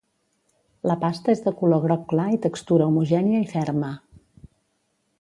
La pasta és de color groc clar i textura homogènia i ferma.